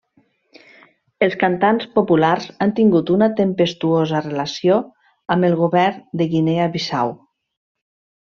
Els cantants populars han tingut una tempestuosa relació amb el govern de Guinea Bissau.